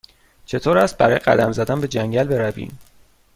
چطور است برای قدم زدن به جنگل برویم؟